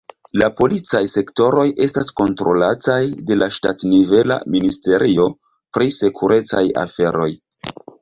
La policaj sektoroj estas kontrolataj de la ŝtatnivela ministerio pri sekurecaj aferoj.